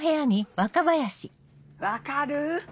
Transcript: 分かる？